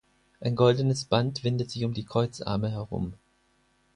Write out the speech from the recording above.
Ein goldenes Band windet sich um die Kreuzarme herum.